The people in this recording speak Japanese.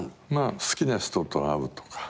好きな人と会うとか。